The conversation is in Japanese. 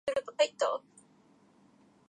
いいから黙って着いて来て